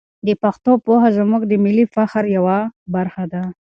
د پښتو پوهه زموږ د ملي فخر یوه برخه ده.